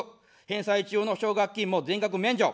返済中の奨学金も全額免除。